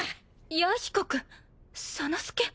弥彦君左之助。